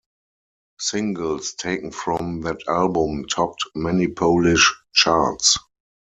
Singles taken from that album topped many Polish charts.